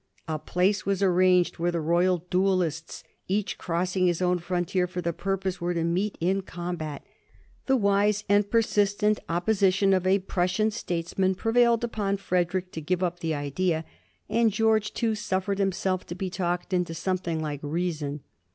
A place was arranged where the roy al duellists, each crossing his own frontier for the purpose, were to meet in combat. The wise and persistent oppo sition of a Prussian statesman prevailed upon Frederick to give up the idea, and George too suffered himself to be talked into something like reason.